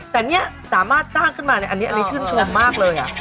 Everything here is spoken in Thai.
แต่นี่สามารถสร้างขึ้นมาอันนี้ชื่นชมมากเลย